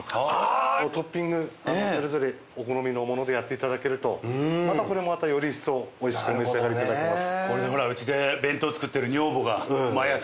トッピングそれぞれお好みのものでやって頂けるとまたこれもより一層おいしくお召し上がり頂けます。